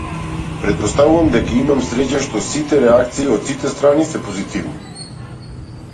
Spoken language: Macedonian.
Претпоставувам дека имам среќа што сите реакции од сите страни се позитивни.